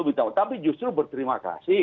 bintang tapi justru berterima kasih